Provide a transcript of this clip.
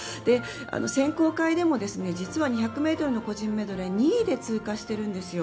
選考会でも実は２００ｍの個人メドレー２位で通過してるんですよ。